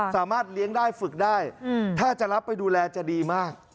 สามารถเลี้ยงได้ฝึกได้ถ้าจะรับไปดูแลจะดีมาก